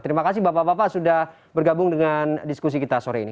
terima kasih bapak bapak sudah bergabung dengan diskusi kita sore ini